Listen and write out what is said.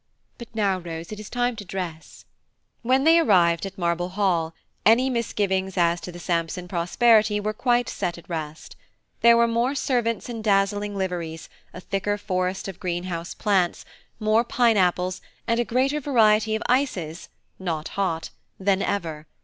But now, Rose, it is time to dress." When they arrived at Marble Hall, any misgivings as to the Sampson prosperity were quite set at rest. There were more servants in dazzling liveries, a thicker forest of greenhouse plants, more pineapples, and a greater variety of ices (not hot) than ever.